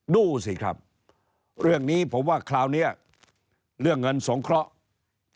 ดูสิครับเรื่องนี้ผมว่าคราวนี้เรื่องเงินสงเคราะห์